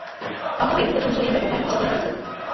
Alkohol je nebezpečný především ve druhém a třetím trimestru.